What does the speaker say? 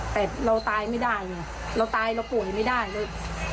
แต่เราตายไม่ได้ไงเราตายเราป่วยไม่ได้เลย